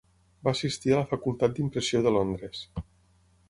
Va assistir a la Facultat d'Impressió de Londres.